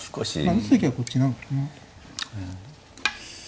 打つ時はこっちなのかな。